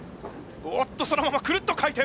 おっとそのままくるっと回転！